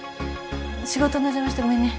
仕事の邪魔してごめんね。